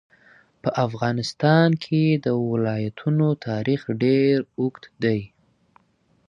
په افغانستان کې د ولایتونو تاریخ ډېر اوږد دی.